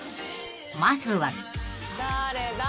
［まずは］